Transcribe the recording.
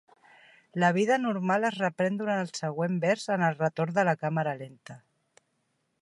La vida normal es reprèn durant el següent vers amb el retorn de la càmera lenta.